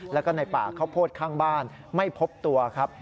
แล้วก็ในป่าข้าวโพดข้างบ้านไม่พบตัวครับ